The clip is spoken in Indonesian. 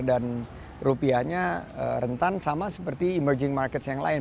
dan rupiahnya rentan sama seperti emerging markets yang lain